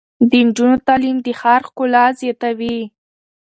د نجونو تعلیم د ښار ښکلا زیاتوي.